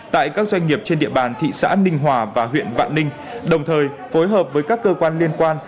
tại các doanh nghiệp trên địa bàn thị xã ninh hòa và huyện vạn ninh đồng thời phối hợp với các cơ quan liên quan